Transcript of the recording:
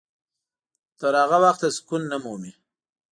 تر هغه وخته سکون نه مومي.